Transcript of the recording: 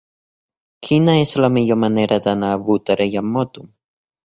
Quina és la millor manera d'anar a Botarell amb moto?